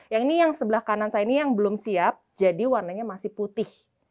yang ini yang sebelah kanan saya ini yang belum siap jadi warnanya masih putih